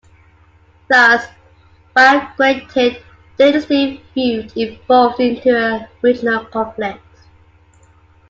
Thus, a Bagratid dynastic feud evolved into a regional conflict.